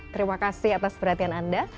terima kasih atas perhatian anda